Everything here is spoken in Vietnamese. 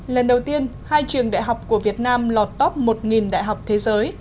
lần đầu tiên hai trường đại học của việt nam lọt top một đại học thế giới